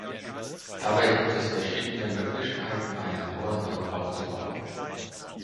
Dabei gibt es verschiedene Möglichkeiten, einen hohen Druck aufzubauen.